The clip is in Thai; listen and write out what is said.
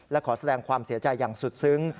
และขอแสดงความเสียใจอย่างสุดซึ้ง